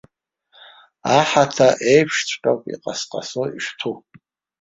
Аҳаҭа еиԥшҵәҟьоуп иҟасҟасо ишҭәу!